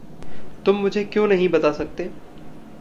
तुम मुझे क्यों नहीं बता सकते?